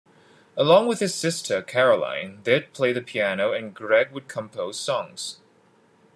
Along with his sister, Caroline, they'd play the piano and Gregg would compose songs.